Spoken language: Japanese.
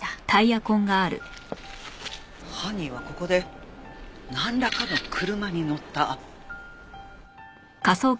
犯人はここでなんらかの車に乗った。